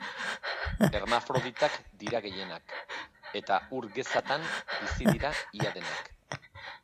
Hermafroditak dira gehienak, eta ur gezatan bizi dira ia denak.